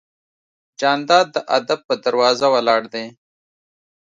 جانداد د ادب په دروازه ولاړ دی.